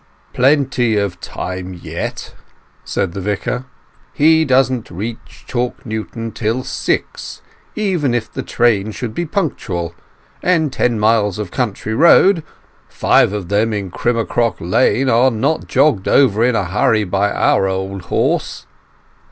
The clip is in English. "Plenty of time yet," said the Vicar. "He doesn't reach Chalk Newton till six, even if the train should be punctual, and ten miles of country road, five of them in Crimmercrock Lane, are not jogged over in a hurry by our old horse."